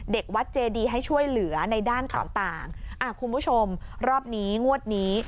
เด็กวัดเจดีให้ช่วยเหลือในด้านต่างต่างอ่ะคุณผู้ชมรอบนี้งวดนี้